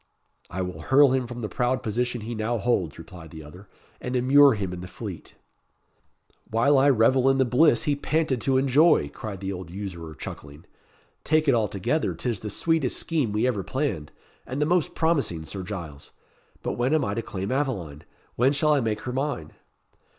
"I will hurl him from the proud position he now holds," replied the other, "and immure him in the Fleet." "While I revel in the bliss he panted to enjoy," cried the old usurer, chuckling. "Take it altogether, 'tis the sweetest scheme we ever planned, and the most promising, Sir Giles! But when am I to claim Aveline? when shall I make her mine?"